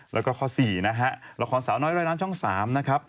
แล้วก็ข้อ๔นะฮะละครสาวน้อยร้อยล้านช่อง๓นะครับ